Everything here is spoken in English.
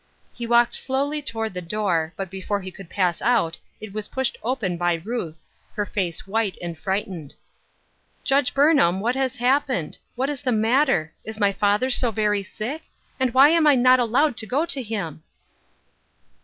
He walked slowly toward the door, but before he could pass out it was pushed open by Ruth, her face white and frightened. " Judge Burnham what has happened ? what is the mat ter ? is my father so very sick ? and why am I not to be allowed to go to him